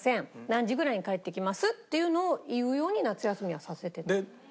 「何時ぐらいに帰ってきます」っていうのを言うように夏休みはさせてた。